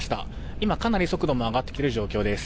今、かなり速度も上がってきている状況です。